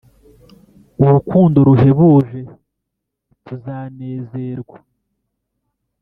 Urukundo ruhebuje, tuzanezerwa